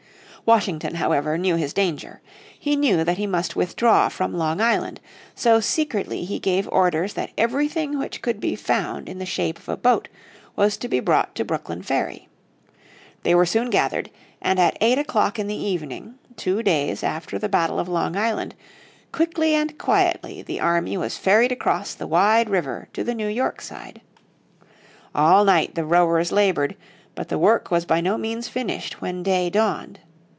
Washington, however, knew his danger. He knew that he must withdraw from Long Island. So secretly he gave orders that everything which could be found in the shape of a boat was to be brought to Brooklyn Ferry. They were soon gathered, and at eight o'clock in the evening, two days after the battle of Long Island, quickly and quietly the army was ferried across the wide river to the New York side. All night the rowers laboured, but the work was by no means finished when day dawned.